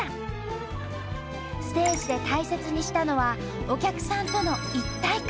ステージで大切にしたのはお客さんとの一体感。